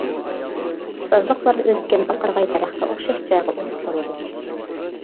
سازلىقلاردا ئۆسكەن بال قارىغاي دەرەخكە ئوخشاش جايغا ئۇۋا سالىدۇ.